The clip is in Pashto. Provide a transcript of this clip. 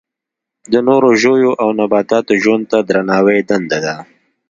د نورو ژویو او نباتاتو ژوند ته درناوی دنده ده.